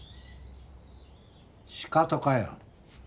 シカトかよ。